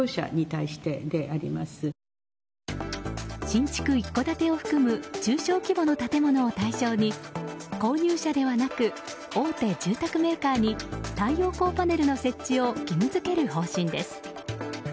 新築一戸建てを含む中小規模の建物を対象に購入者ではなく大手住宅メーカーに太陽光パネルの設置を義務付ける方針です。